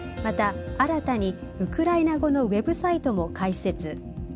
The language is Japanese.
また新たにウクライナ語のウェブサイトも開設。